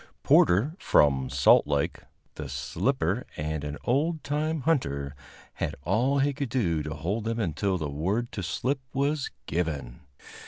Porter, from Salt Lake, the slipper and an old time hunter, had all he could do to hold them until the word to slip was given.